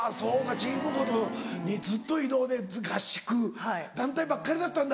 チームごとにずっと移動で合宿団体ばっかりだったんだ。